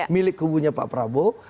milik kubunya pak prabowo